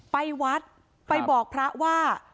ไปวัดไปบอกพระว่า